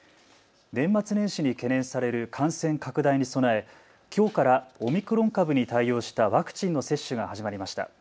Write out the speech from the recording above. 年末年始に懸念される感染拡大に備え、きょうからオミクロン株に対応したワクチンの接種が始まりました。